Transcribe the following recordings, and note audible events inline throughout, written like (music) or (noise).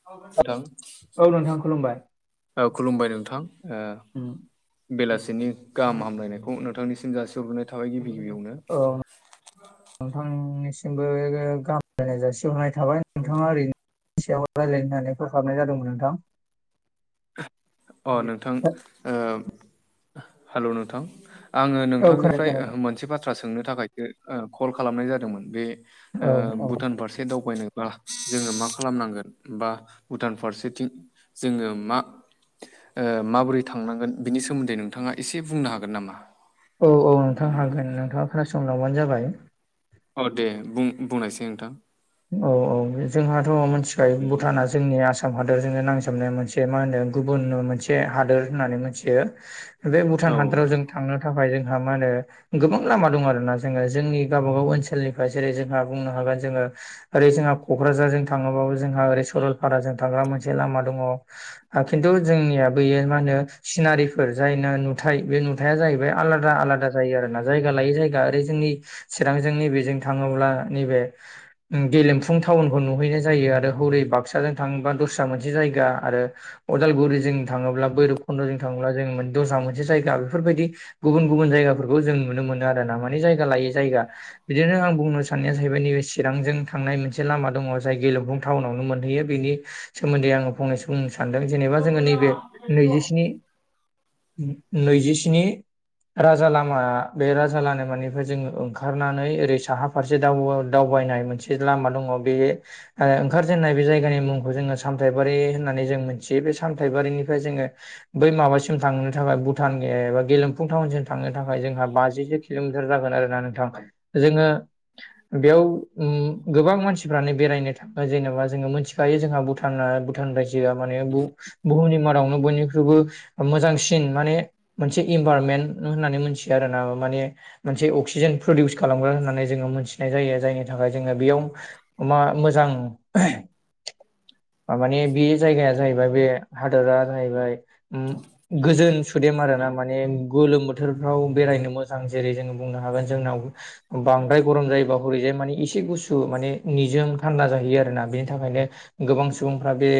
नोंथां औ नोंथां खुलुमबाय औ खुलुमबाय नोंथां उम। बेलासिनि गाहाम हामलायनायखौ नोंथांनिसिम जासिहरग्रोनाय थाबाय गिबि गिबियावनो औ (inaudible) नोंथांनिसिमबो गाहाम हामलायनाय जासिहरनाय थाबाय नोंथाङा ओरैनो सायाव रायज्लायनो हानायफोर हाबनाय जादोंमोन नोंथां अ नोंथां ओ हेल' नोंथां आङो औ खोनादों नोंथांनिफ्राय खोनादों मोनसे बाथ्रा सोंनो थाखायसो कल खालामनाय जादोंमोन बे औ औ भुटान फारसे दावबायनो बा जोङो मा खालामनांगोन बा भुटान फारसेथिं जोङो मा माबोरै थांनांगोन बिनि सोमोन्दै नोंथाङा एसे बुंनो हागोन नामा औ औ नोंथां हागोन नोंथाङा खोनासंलांबानो जाबाय अ दे बुं बुंनायसाय नोंथां औ औ जोंहाथ' मिथिखायो भुटाना जोंनि आसाम हादरजोंनो नांजाबनाय मोनसे मा होनो गुबुन मोनसे हादोर होननानै मोनथियो बे औ भुटान हादोराव नोंथां जों थांनो थाखाय जोंहा मा होनो गोबां लामा दं आरोना जोङो जोंनि गावबागाव ओनसोलनिफ्राय जेरै जोंहा बुंनो हागोन जोङो ओरै जोंहा क'क्राझारजों थाङोबाबो जोंहा ओरै सरलपाराजों थांग्रा मोनसे लामा दङ खिन्थु जोंनिया बैयो मा होनो सिनारिफोर जायना नुथाइ बे नुथाया जाहैबाय आलादा आलादा जायो आरोना जायगा लायै जायगा ओरै जोंनि चिरांजों नैबेजों थाङोब्ला नैबे गेलेमफुं टाउनफोर नुहैनाय जायो आरो हरै बाक्साजों थाङोबा दस्रा मोनसे जायगा आरो अदालगुरिजों थाङोब्ला भैरब कुन्द'जों थाङोब्ला जों दस्रा मोनसे जायगा बेफोरबायदि गुबुन गुबुन जायगाफोरखौ जों नुनो मोनो आरो ना माने जायगा लायै जायगा बिदिनो आं बुंनो साननाया जाहैबाय नैबे सि थांनाय मोनसे लामा दङ जाय गेलेमफुं टाउनावनो मोनहैयो बेनि सोमोन्दै आङो फंनैसो बुंनो सानदों जेनेबा जोङो नैबे नैजिस्नि नैजिस्नि राजा लामा बे राजा लामानिफ्राय जोङो ओंखारनानै ओरै साहा फारसे दउ दाउ गायनाय मोनसे लामा दङ बे आरो ओंखारजेननाय बे जायगानि मुंखौ जोङो सामथायबारि होननानै जों मोनथियो बे सामथायबारिनिफ्राय जोङो बै माबासिम थांनो थाखाय भुटान एबा गेलेमफुं टाउनसिम थांनो थाखाय जोंहा बाजि किल'मिटार जागोन आरोना नोंथां जोङो बेयाव गोबां मानसिफ्रानो बेरायनो थाङो जेनेबा जोङो मिथिखायो जोंहा भुटाना भुटान रायजो या माने बुहुमनि मादावनो बयनिख्रुइबो मोजांसिन माने मोनसे इनभारनमेन्ट होननानै मोनथियो आरोना माने मोनसे अक्सिजेन प्रदिउस खालामग्रा होननानै जोङो मोनथिनाय जायो जायनि थाखाय नि थाखाय जोङो बेयाव मा मोजां माने बे जायगाया जाहैबाय बे हादरा जाहैबाय गोजोन सुदेम आरोना माने गोलोम बोथोरफ्राव बेरायनो मोजां जेरै जोङो बुंनो हागोन जोंनाव बांद्राय गरम जायोबा हरैजाय मानि एसे गुसु माने निजोम थान्दा जाहैयो आरोना बेनि थाखायनो गोबां सुबुंफ्रा बे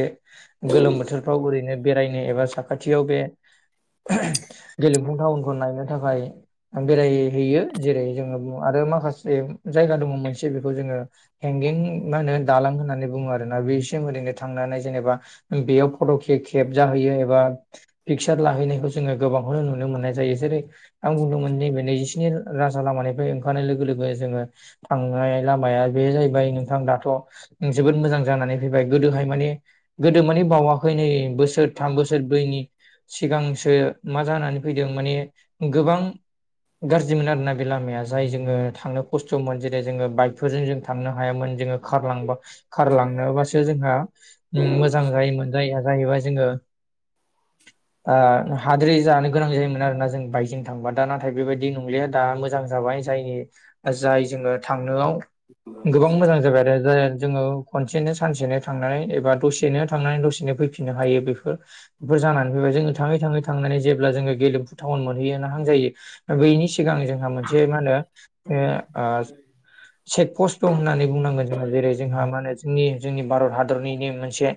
गोलोम बोथोरफ्राव ओरैनो बेरायनो एबा साखाथियाव बे गेलेमफुं टाउनखौ नायनो थाखाय आं बेरायहैयो जेरै जोङो आरो माखासे जायगा दङ मोनसे बेखौ जोङो हेंगिं मा होनो दालां होननानै बुङो आरोना बे सिम ओरैनो थांनानै जेनेबा बेयाव फट' खे खेबजाहैयो एबा पिकसार लाहैनायखौ जोङो गोबांखौनो नुनो मोननाय जायो जेरै आं बुंदोंमोन नैबे नैजिस्नि राजा लामानिफ्राय ओंखारनाय लोगो लोगो जोङो थां लामाया बे जाहैबाय नोंथां दाथ' जोबोद मोजां जानानै फैबाय गोदोहाय माने गोदो मानि बावाखै नै बोसोर थाम बोसोर ब्रैनि सिगांसो मा जानानै फैदों माने गोबां गाज्रिमोन आरोना बे लामाया जाय जोङो थांनो खस्थ'मोन जे जे जोङो बाइकफोरजों जों थांनो हायामोन जोङो खार लांबा खारलांनोबासो जोंहा मोजां जायोमोन जायया जाहैबाय जोङो (inaudible) हाद्रि जानो गोनां जायोमोन आरोना जों बाइकजों थांबा दा नाथाय बेबायदि नंलिया दा मोजां जाबाय। जायनि जाय जोङो थांनोआव गोबां मोजां जाबाय आरो जे जोङो खनसेनो सानसेनो थांनानै एबा दसेनो थांनानै दसेनो फैफिननो हायो बेफोर जानानै बेबायदि जोङो थाङै थाङै थांनानै जेब्ला जोङो गेलेफु थाउन मोनहैयानाहां जायो दा बैनि सिगांनि जोंहा मोनसे मा होनो ओ चेक पस्ट दं होननानै बुंनांगोन जोङो जेरै जोंहा मा होनो जोंनि जोंनि भारत हादरनिनो मोनसे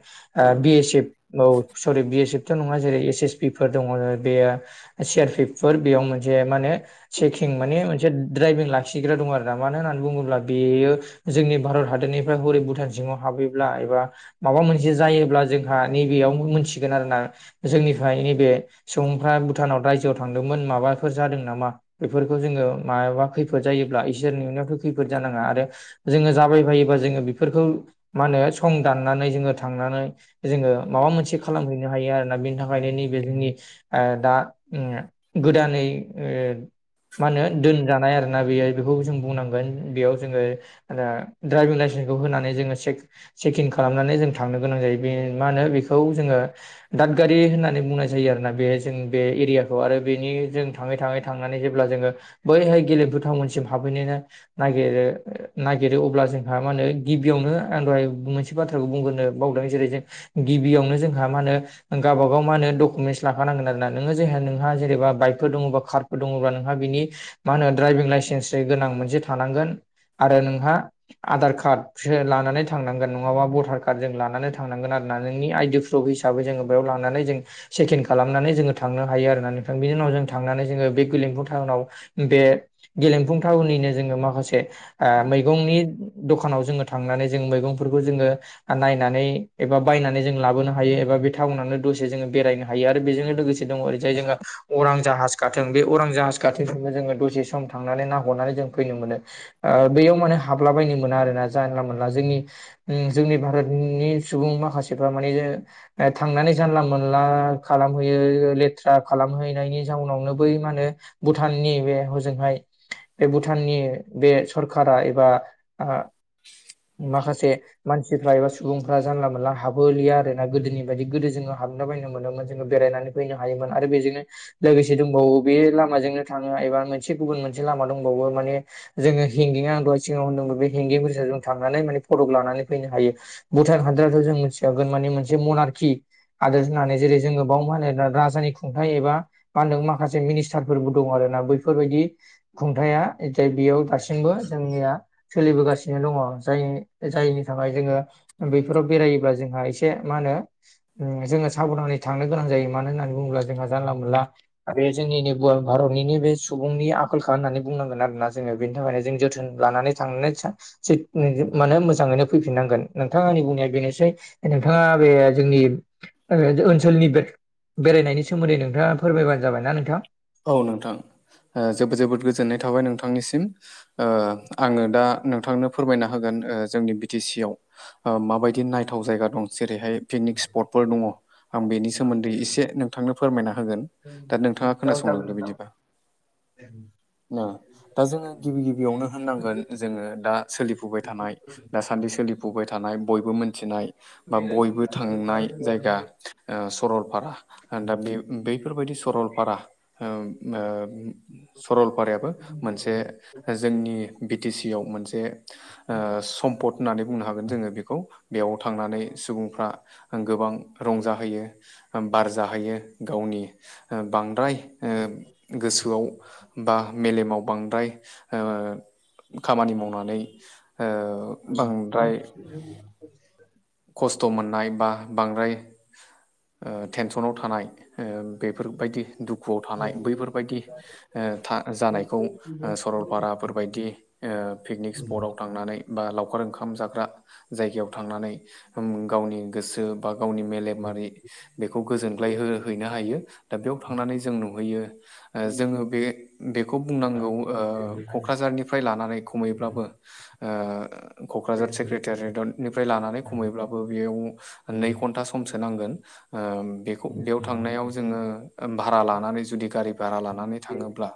ओ बि एस एफ औ सरि बि एस एफथ' नङा जेरै एस एस पि फोर दङ' बेयो सियारपिएपफोर बेयाव मोनसे मा होनो चेकिं माने मोनसे द्राइभिं लाखिग्रा दङ' आरोना मानो होननानै बुङोब्ला बेयो जोंनि भारत हादरनिफ्राय हरै भुटान सिङाव हाबहैब्ला एबा माबा मोनसे जायोब्ला जोंहा नैबेयाव मोनथिगोन आरोना जोंनिफाय नैबे सुबुंफ्रा भुटानाव रायजोआव थांदोंमोन माबाफोर जादों नामा बेफोरखौ जोङो मायाबा खैफोद जायोब्ला इसोरनि अननायावथ' खैफोद जानाङा आरो जोङो जाबायबायोबा जोङो बेफोरखौ मा होनो सं दाननानै जोङो थांनानै जोङो माबा मोनसे खालामहैनो हायो आरोना बेनि थाखायनो नैबे जोंनि ओ दा ओम गोदानै ओ मा होनो दोनजानाय आरोना बेयो बेखौबो जों बुंनांगोन बेयाव जोङो द्राइभिं लाइसेन्सखौ होनानै जोङो चक चेकिं खालामनानै जों थांनो गोनां जायो बे मा होनो बेखौ जोङो दादगारि होननानै बुंनाय जायो आरोना बे जों बे एरियाखौ आरो बेनि जों थाङै थाङै थांनानै जेब्ला जोङो बैहाय गेलेफु थाउनसिम हाबहैनोनो नागिरो नागिरो अब्ला जोंहा मा होनो गिबियावनो आं दहाय मोनसे बाथ्राखौ बुंगोनो बावदों जेरै जों गिबियावनो जोंहा मा होनो गावबागाव मा होनो डकुमेन्टस लाखानांगोन आरो ना नोङो जायहा नोंहा जेनबा बाइकफोर दङ'बा कारफोर दङ'ब्ला नोंहा बिनि मा होनो ड्राइभिं लाइसेन्ससै गोनां मोनसे थानांगोन आरो नोंहा आधार कार्डसो लानानै थांनांगोन नङाबा भटार कार्ड जों लानानै थांनांगोन आरोना नोंनि आइडि प्रुभ प्रुभ हिसाबै जोङो बेयाव लांनानै जों सेकिन खालामनानै जोङो थांनो हायो आरोना नोंथां बिनि उनाव जों थांनानै जोङो बे गलेफु थाउनाव बे गेलेंफुंथावननिनो जोङो माखासे ओ मैगंनि द'खानाव जोङो थांनानै जों मैगंफोरखौ जोङो नायनानै एबा बायनानै जों लाबोनो हायो एबा बे टाउनावनो दसे जोङो बेरायनो हायो आरो बेजोंनो लोगोसे दङ' ओरैजाय जोङो अरां जाहाज गाथों बे अरां जाहाज गाथोंबो जोङो दसे सम थांनानै ना हनानै जों फैनो मोनो ओ बेयाव माने हाबला बायनो मोना आरोना जानला मोनला जोंनि जोंनि भारतनि सुबुं माखासेफ्रा मानि जो थांनानै जानला मोनला खालामहैयो लेथ्रा खालामहैनायनि जाउनावनो बै मा होनो भुटाननि बे हजोंहाय बे भुटाननि बे सरखारा एबा ओ माखासे मानसिफ्रा एबा सुबुंफ्रा जानला मोनला हाबहोलिया आरोना गोदोनि बायदि गोदो जोङो हाबला बायनो मोनोमोन जोङो बेरायनानै फैनो हायोमोन आरो बेजोंनो लोगोसे दंबावो बे लामाजोंनो थाङो एबा मोनसे गुबन मोनसे लामा दंबावो माने जोङो हेंगेंङा दहाय सिङाव होनदों बे हेंगिं ब्रिजाव जों थांनानै माने फटक लानानै फैनो हायो भुटान हादोराथ जों मिथियागोन माने मोनसे मनारखि हादोर होननानै जेरै जोङो बाव मा होनो राजानि खुंथाइ एबा मा होनदों माखासे मिनिस्टारफोरबो दं आरोना बैफोरबायाददि खुंथाया जाय बेयाव दासिमबो जोंनिया सोलिबोगासिनो दङ जाय जायनि थाखाय जोङो बेफोराव बेरायोब्ला जोंहा एसे मा होनो जोङो साबधानै थांनो गोनां जायो मानो होननानै बुङोब्ला जोंहा जानला मोनला बे जोंनिनो गुवार भारतनिनो बे सुबुंनि खालामनानै बुंनांगोन आरोना जोङो बेनि थाखायनो जों जोथोन लानानै थां माने मोजाङैनो फैफिननांगोन नोंथाङनि बुंनाया बेनोसै नोंथाङा बे जोंनि ओनसोलनि बे बेरायनायनि सोमोन्दै नोंथाङा फोरमायबानो जाबायना नोंथां औ नोंथां ओ जोबोद जोबोद गोजोननाय थाबाय नोंथांनिसिम ओ आङो दा नोंथांनो फोरमायना होगोन जोंनि बि टि सि आव ओ माबायदि नायथाव जायगा दं जेरैहाय पिकनिक स्पटफोर दङ आं बेनि सोमोन्दै एसे नोंथांनो फोरमायना होगोन दा नोंथाङा जागोन जागोन खोनासंलांदो बिदिबा ना दा जोङो गिबि गिबियावनो होननांगोन जोङो दा सोलिफुबाय थानाय दासान्दि सोलिफुबाय थानाय बयबो मिथिनाय बा बयबो थांनाय जायगा नोंथां। सरलपारा आं दा बे बैफोरबायदि सरलपारा ओ ओ सरलपारायाबो मोनसे जोंनि बि टि सि आव मोनसे ओ सम्पद होननानै बुंनो हागोन जोङो बेखौ बेयाव थांनानै सुबुंफ्रा गोबां रंजाहोयो बार जाहैयो गावनि बांद्राय ओ गोसोआव बा मेलेमाव बांद्राय ओ खामानि मावनानै ओ बांद्राय (unintelligible) खस्थ मोननाय बा बांद्राय ओ टेनसनाव थानाय ओ बेफोरबायदि दुखुआव थानाय बैफोरबायदि ओ था जानायखौ सरलपाराफोरबायदि ओ पिकनिक स्पटव थांनानै बा लावखार ओंखाम जाग्रा जायगायाव थांनानै गावनि गोसो बा गावनि मेलेमारि बेखौ गोजोनग्लाय होहैनो हायो दा बेयाव थांनानै जों नुहैयो ओ जोङो बे बेखौ बुंनांगौ औ कक्राझारनिफ्राय लानानै खमैब्लाबो ओ कक्राझार सेक्रेटारियेटनिफ्राय लानानै खमैब्लाबो बेयाव नै घन्टा समसो नांगोन ओ बेखौ बेयाव थांनायाव जोङो ओ भारा लानानै जुदि गारि भारा लानानै थाङोब्ला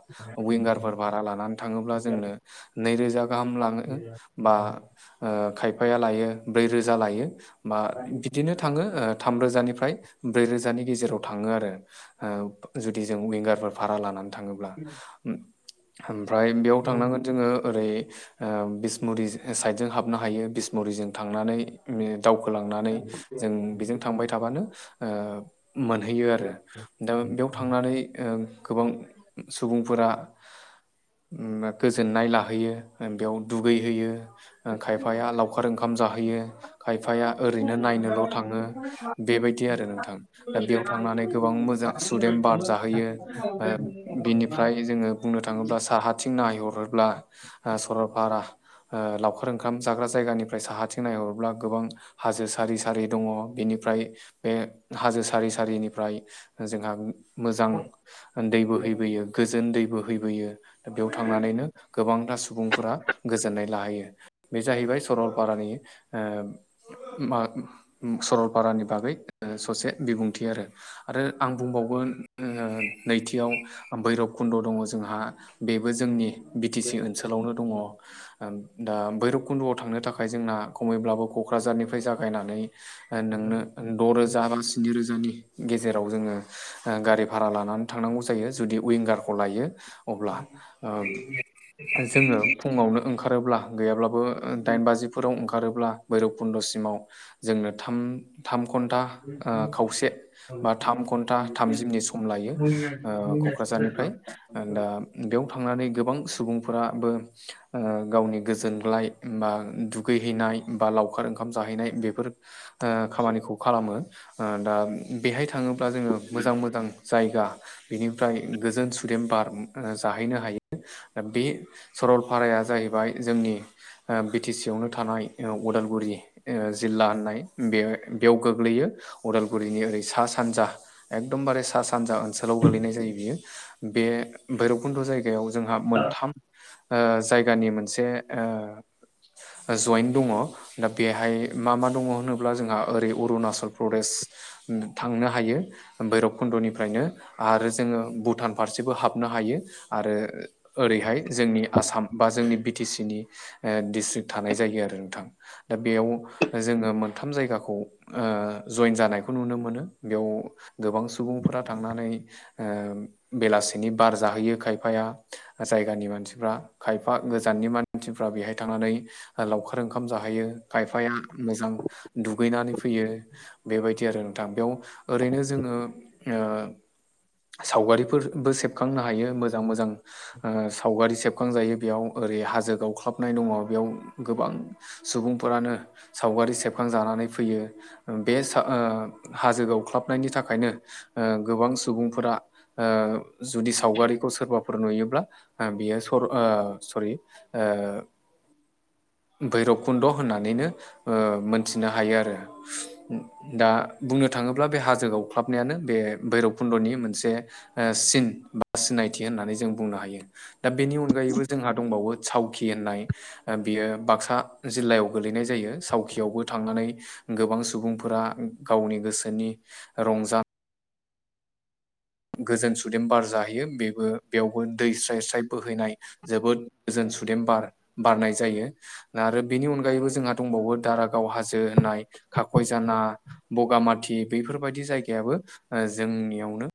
विंगारफोर भारा लानानै थाङोब्ला जोङो नै रोजा गाहाम लागोन बा ओ खायफाया लायो ब्रै रोजा लायो बा बिदिनो थाङो ओ थाम रोजानिफ्राय ब्रै रोजानि गेजेराव थाङो आरो ओ जुदि जों विंगारफोर भारा लानानै थाङोब्ला मफ्राय बेयाव थांनांगोन जोङो ओरै ओ बिसमुरि साइडजों हाबनो हायो बिसमुरिजों थांनानै दावखोलांनानै जों बेजों थांबाय थाबानो ओ मोनहैयो आरो दा बेयाव थांनानै ओ गोबां सुबुंफोरा उम मा गोजोननाय लाहोयो बेयाव दुगैहोयो। ओ खायफाया लावखार ओंखाम जाहैयो। खायफाया ओरैनो नायनोल' थाङो बेबायदि आरो नोंथां दा बेयाव थांनानै गोबां मोजां सुदेम बार जाहोयो ओ बिनिफ्राय जोङो बुंनो थाङोब्ला साहा थिं नायहरोब्ला ओ सरलपारा ओ लावखार ओंखाम जाग्रा जायगानिफ्राय साहाथिं नायहरोब्ला गोबां हाजो सारि सारि दङ' बेनिफ्राय बे हाजो सारि सारिनिफ्राय जोंहा मोजां दै बोहैैबोयो गोजोन दै बोहैबोयो। बेयाव थांनानैनो गोबांथा सुबुंफोरा गोजोननाय लाहैयो। बे जाहैबाय सरलपारानि ओ मा सरलपारानि बागै ओ ससे बिबुंथि आरो। आरो आं बुंबावगोन ओ नैथियाव भैरब खुन्द' दङ' जोंहा बेबो जोंनि बिटि सि ओनसोलावनो दङ' ओम दा भैरबकुन्द'आव थांनो थाखाय जोंना खमैब्लाबो क'क्राझारनिफ्राय जागायनानै ओ नोंनो द' रोजा बा स्नि रोजानि गेजेराव जोङो ओ गारि भारा लानानै थांनांगौ जायो जुदि उइंगारखौ लायो। अब्ला ओ जोङो फुङावनो ओंखारोब्ला गैयाब्लाबो दाइन बाजिफोराव ओंखारोब्ला भैरबकुन्दसिमाव जोंनो थाम थाम घन्टा ओ खावसे बा थाम घन्टा थामजि मिनिट सम लायो ओ क'क्राझारनिफ्राय। ओ दा बेयाव थांनानै गोबां सुबुंफोराबो ओ गावनि गोजोनग्लाय बा दुग हैनाय बा लावखार ओंखाम जाहैनाय बेफोर ओ खामानिखौ खालामो ओ दा बेहाय थाङोब्ला जोङो मोजां मोजां जायगा बिनिफ्राय गोजोन सुदेम बार जाहैनो हायो। ओ दा बे सरलपाराया जाहैबाय जोंनि ओ बि टि सि आवनो थानाय ओउदालगुरि ओ जिल्ला होननाय बे बेयाव गोग्लैयो। उदालगुरिनि ओरै सा सानजा एकदमबारे सा सानजा ओनसोलाव गोलैनाय जायो बियो। बे भैरबकुन्द' जायगा जायगायाव जोंहा मोनथाम ओ जायगानि मोनसे ओ जयेनट दङ' दा बेहाय मा मा दङ' होनोब्ला जोंहा ओरै अरुणाचल प्रदेश थांनो हायो। ओ भैरबकुन्द'निफ्रायनो आरो जोङो भुटान फारसेबो हाबनो हायो आरो ओरैहाय जोंनि आसाम बा जोंनि बि टि सि नि ओ डिस्ट्रिक्ट थानाय जायो आरो नोंथां। दा बेयाव जोङो मोनथाम जायगाखौ ओ जयेन जानायखौ नुनो मोनो बेयाव गोबां सुबुंफोरा थांनानै ओ बेलासिनि बार जाहैयो खायफाया। जायगानि मानसिफ्रा खायफा गोजाननि मानसिफ्रा बेहाय थांनानै लावखार ओंखाम जाहैयो खायफाया मोजां दुगैनानै फैयो। बेबायदि आरो नोंथां बेयाव ओरैनो जोङो ओ सावगारिफोरबो सेबखांनो हायो मोजां मोजां। ओ सावगारि सेबखांजायो बेयाव ओरै हाजो गावख्लाबनाय दङ बेयाव गोबां सुबुंफोरानो सावगारि सेबखांजानानै फैयो। बे हाजो गावख्लाबनायनि थाखायनो ओ गोबां सुबुंफोरा ओ जुदि सावगारिखौ सोरबाफोर नुयोब्ला बियो सरि ओ भैरबकुन्द' होननानैनो ओ मोनथिनो हायो आरो। दा बुंनो थाङोब्ला बे हाजो गावख्लाबनायानो बे भैरबकुन्द'नि मोनसे ओ सिन बा सिनायथि होननानै जों बुंनो हायो। दा बेनि अनगायैबो जोंहा दंबावो सावकि होननाय बियो बाक्सा जिल्लायाव गोलैनाय जायो सावकियावबो थांनानै गोबां सुबुंफोरा गावनि गोसोनि रंजा गोजोन सुदेम बार जाहैयो बेबो बेयावबो दै स्राय स्राय बोहैनाय जोबोद गोजोन सुदेम बार बारनाय जायो आरो बेनि अनगायैबो जोंहा दंबावो दारागाव हाजो होननाय खाखय जाना बगामाथि बेफोरबायदि जायगायाबो जोंनियावनो